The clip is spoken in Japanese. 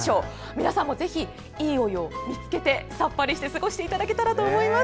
皆さんもぜひいいお湯を見つけてさっぱりして過ごしていただけたらと思います。